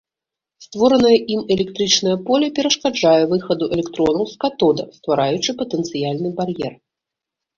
Створанае ім электрычнае поле перашкаджае выхаду электронаў з катода, ствараючы патэнцыяльны бар'ер.